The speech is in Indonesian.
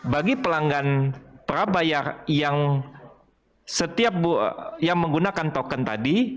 bagi pelanggan prabayar yang menggunakan token tadi